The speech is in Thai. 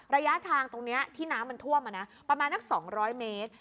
ระยะทางตรงนี้ที่น้ำมันท่วมมานะประมาณนัก๒๐๐เมตร